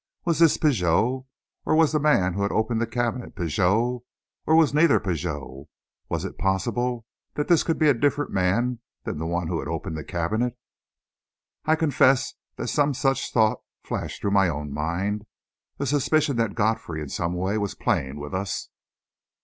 Was this Pigot? Or was the man who had opened the cabinet Pigot? Or was neither Pigot? Was it possible that this could be a different man than the one who had opened the cabinet? I confess that some such thought flashed through my own mind a suspicion that Godfrey, in some way, was playing with us.